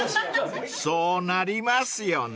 ［そうなりますよね］